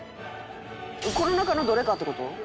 「この中のどれかって事？」